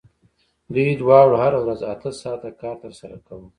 دوی دواړو هره ورځ اته ساعته کار ترسره کاوه